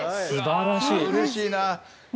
うれしいな。